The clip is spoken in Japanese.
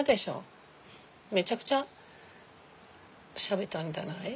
めちゃくちゃしゃべったんじゃない？